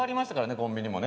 コンビニも。